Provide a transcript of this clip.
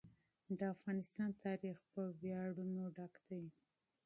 د افغانستان تاریخ په ویاړونو ډک دی.